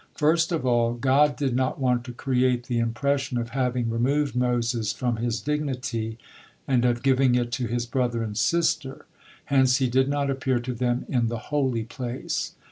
First of all, God did not want to create the impression of having removed Moses from his dignity, and of giving it to his brother and sister, hence He did not appear to them in the holy place.